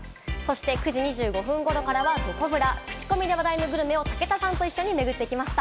９時２５分頃からはどこブラ。クチコミで話題のグルメを武田さんと一緒に巡ってきました。